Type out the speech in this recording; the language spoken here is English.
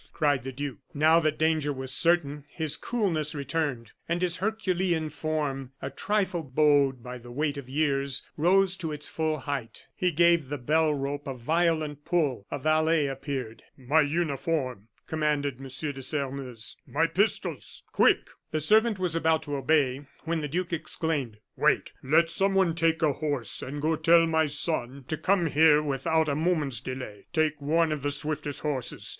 cried the duke. Now that danger was certain, his coolness returned; and his herculean form, a trifle bowed by the weight of years, rose to its full height. He gave the bell rope a violent pull; a valet appeared. "My uniform," commanded M. de Sairmeuse; "my pistols! Quick!" The servant was about to obey, when the duke exclaimed: "Wait! Let someone take a horse, and go and tell my son to come here without a moment's delay. Take one of the swiftest horses.